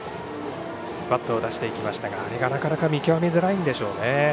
バットを出していきましたがなかなか見極めづらいんでしょうね。